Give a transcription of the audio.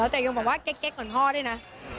แต่ยังบอกว่าเก๊กเหมือนพ่อด้วยนะ